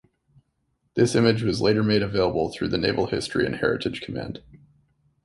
This image was later made available through the Naval History and Heritage Command.